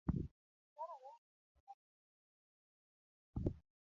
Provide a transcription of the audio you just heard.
Dwarore ni alwora ma wadakie obed maler.